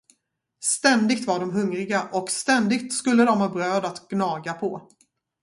Ständigt var de hungriga och ständigt skulle de ha bröd att gnaga på.